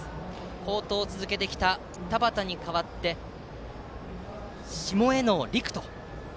好投を続けてきた田端に代わり下醉尾陸人。